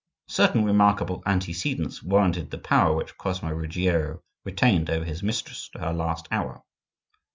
Certain remarkable antecedents warranted the power which Cosmo Ruggiero retained over his mistress to her last hour.